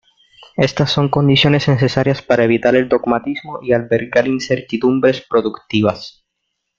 Estas son condiciones necesarias para evitar el dogmatismo y albergar incertidumbres productivas.